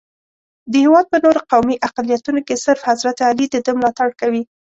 د هېواد په نورو قومي اقلیتونو کې صرف حضرت علي دده ملاتړ کوي.